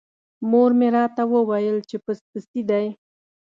مور مې راته وویل چې پس پسي دی.